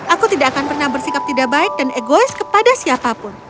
aku tidak akan pernah bersikap tidak baik dan egois kepada siapapun